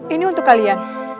ini untuk kalian